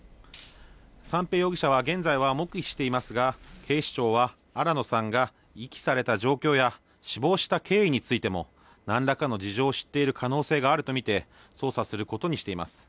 三瓶容疑者は現在は黙秘していますが、警視庁は新野さんが遺棄された状況や、死亡した経緯についても、なんらかの事情を知っている可能性があると見て、捜査することにしています。